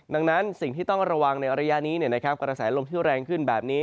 ดังนั้นสิ่งที่ต้องระวังในระยะนี้กระแสลมที่แรงขึ้นแบบนี้